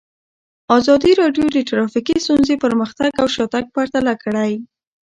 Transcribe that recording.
ازادي راډیو د ټرافیکي ستونزې پرمختګ او شاتګ پرتله کړی.